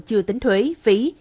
chưa tính thuế phí